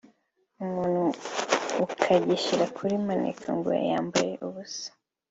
umuntu ukagishyira kuri manequin ngo yambaye ubusa